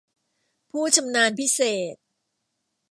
ผู้ชำนาญพิเศษ